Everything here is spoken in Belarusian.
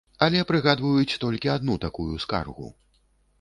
Але прыгадваюць толькі адну такую скаргу.